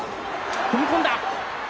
踏み込んだ。